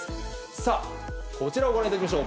さあ、こちらをご覧いただきましょう。